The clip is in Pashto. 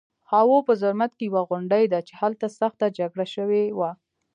خاوو په زرمت کې یوه غونډۍ ده چې هلته سخته جګړه شوې وه